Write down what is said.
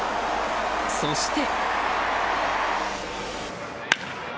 そして。